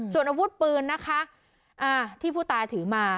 ส่วนอาวุธปืนนะคะที่ผู้ตายถือมา